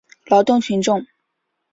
劳动群众。